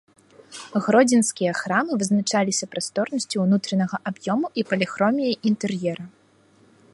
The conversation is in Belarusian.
Гродзенскія храмы вызначаліся прасторнасцю ўнутранага аб'ёму і паліхроміяй інтэр'ера.